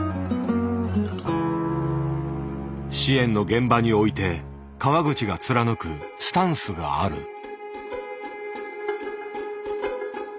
支援の現場において川口が貫くスタンスがある。